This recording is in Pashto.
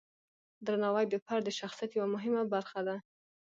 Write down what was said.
درناوی د فرد د شخصیت یوه مهمه برخه ده.